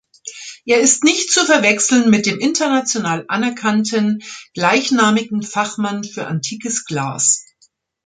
Er ist nicht zu verwechseln mit dem international anerkannten, gleichnamigen Fachmann für antikes Glas.